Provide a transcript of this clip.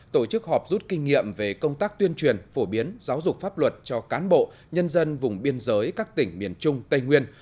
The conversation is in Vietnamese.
tổ chức họp rút kinh nghiệm về công tác tuyên truyền phổ biến giáo dục pháp luật cho cán bộ nhân dân vùng biên giới các tỉnh miền trung tây nguyên